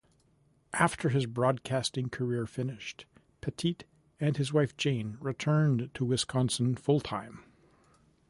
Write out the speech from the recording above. After his broadcasting career finished, Pettit and his wife Jane returned to Wisconsin full-time.